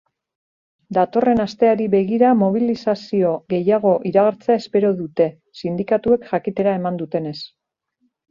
Datorren asteari begira mobilizazio gehiago iragartzea espero dute, sindikatuek jakitera eman dutenez.